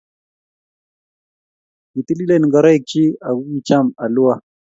Kitililen ngoroikchi akokicham alua